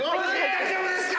◆大丈夫ですか？